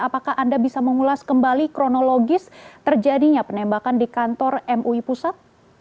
apakah anda bisa mengulas kembali kronologis terjadinya penembakan di kantor mui pusat